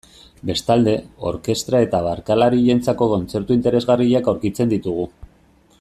Bestalde, orkestra eta bakarlarientzako kontzertu interesgarriak aurkitzen ditugu.